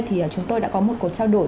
thì chúng tôi đã có một cuộc trao đổi